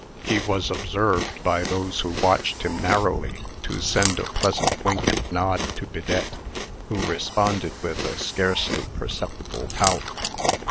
He was observed, by those who watched him narrowly, to send a pleasant wink and nod to Bidette, who responded with a scarcely perceptible pout.